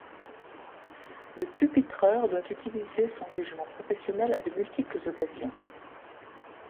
Le pupitreur doit utiliser son jugement professionnel à de multiples occasions.